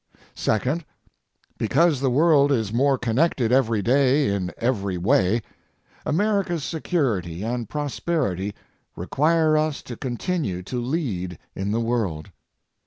Second, because the world is more connected every day in every way, America's security and prosperity require us to continue to lead in the world.